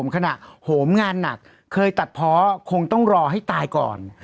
ขณะโหมงานหนักเคยตัดเพาะคงต้องรอให้ตายก่อน